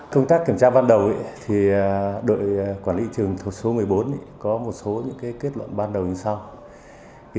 công tác kiểm tra ban đầu đội quản lý trường thuộc số một mươi bốn có một số những kết luận ban đầu như sau